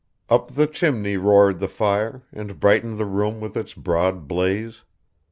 Up the chimney roared the fire, and brightened the room with its broad blaze.